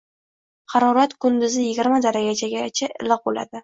Harorat kunduziyigirmadarajagacha iliq bo‘ladi